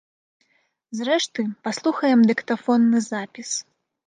Зрэшты, паслухаем дыктафонны запіс.